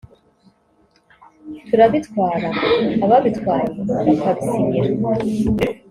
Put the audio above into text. turabitwara ababitwaye bakabisinyira